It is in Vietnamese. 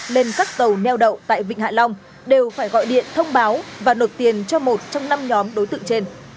nên các tàu neo đậu tại vịnh hạ long đều phải gọi điện thông báo và nộp tiền cho một trong năm nhóm đối tượng trên